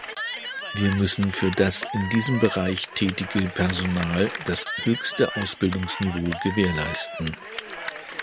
Wir müssen für das in diesem Bereich tätige Personal das höchste Ausbildungsniveau gewährleisten.